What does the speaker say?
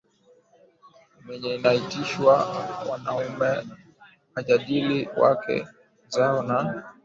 mwenyewe inatishiwa Wanaume hawajadili wake zao na